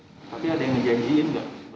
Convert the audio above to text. tapi ada yang menjanjikan gak